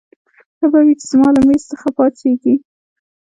ښه به وي چې زما له مېز څخه پاڅېږې.